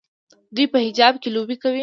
دوی په حجاب کې لوبې کوي.